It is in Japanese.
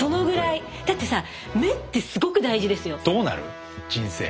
だってさ目ってすごく大事ですよ。